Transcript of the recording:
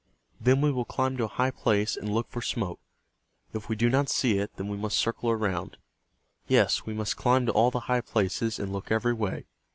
"Then we will climb to a high place, and look for smoke. If we do not see it, then we must circle around. Yes, we must climb to all the high places, and look every way.